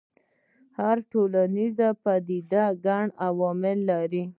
هره ټولنیزه پدیده ګڼ عوامل لري.